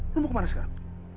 lu mau ke mana sekarang